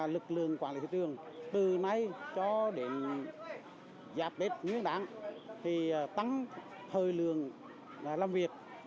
lực lượng quản lý thị trường từ nay cho đến dắp tết nguyên đảng thì tăng thời lượng làm việc